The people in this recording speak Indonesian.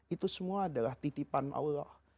itu semua adalah titipan allah